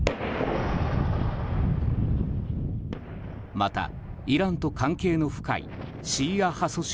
また、イランと関係の深いシーア派組織